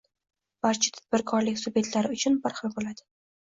barcha tadbirkorlik subyektlari uchun bir xil bo‘ladi.